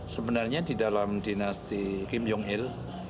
sebenarnya di dalam dinasti kim jong il